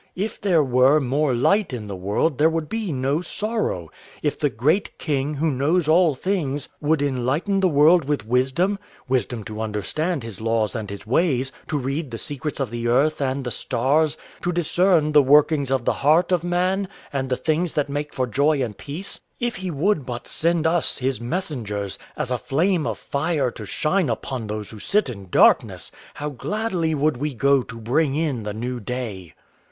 "If there were more light in the world there would be no sorrow. If the great King who knows all things would enlighten the world with wisdom wisdom to understand his law and his ways, to read the secrets of the earth and the stars, to discern the workings of the heart of man and the things that make for joy and peace if he would but send us, his messengers, as a flame of fire to shine upon those who sit in darkness, how gladly would we go to bring in the new day!